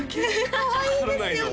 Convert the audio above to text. かわいいですよね